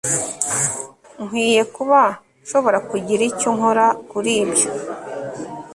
Nkwiye kuba nshobora kugira icyo nkora kuri ibyo